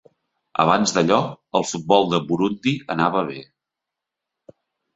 Abans d'allò, el futbol de Burundi anava bé.